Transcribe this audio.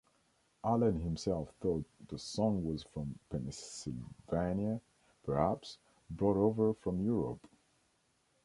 Allen himself thought the song was from Pennsylvania, perhaps brought over from Europe.